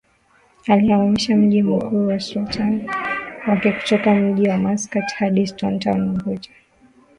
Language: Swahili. alihamisha mji mkuu wa usultani wake kutoka mji wa Maskat hadi Stone Town Unguja